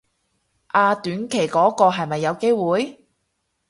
啊短期嗰個係咪有機會